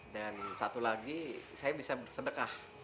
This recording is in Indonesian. dan satu lagi saya bisa bersedekah